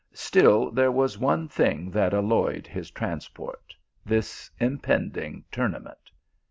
Still there was one thing that alloyed his transport, this impending tournament.